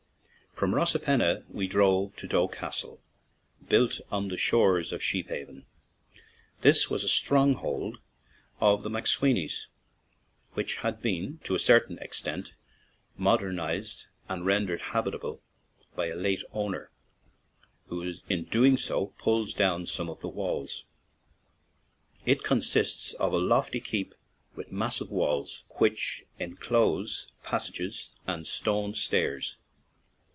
From Rosapenna we drove to Doe Castle, built on the shores of Sheephaven. This was a stronghold of the McSweenys, which has been, to a certain extent, modernized and rendered habitable by a late owner, who in doing so pulled down some of the walls. It consists of a lofty keep with massive walls, which enclose passages and stone stairs.